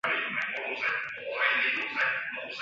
奥蒂戈为位在美国堪萨斯州朱厄尔县的非建制地区。